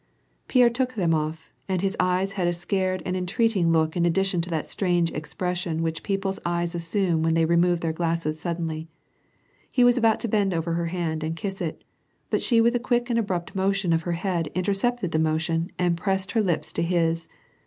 Pierre took them off, and his eyes had a scared and entreat ing look in addition to that strange expression which people's eyes assume when they remove their glasses suddenly. He was about to bend over her hand, and kiss it, but she with a quick and abrupt motion of her head intercepted the motion, and pressed her lips to his.